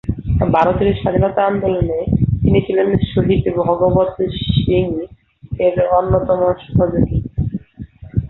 ভারতের স্বাধীনতা আন্দোলনে তিনি ছিলেন শহীদ ভগৎ সিং এর অন্যতম সহযোগী।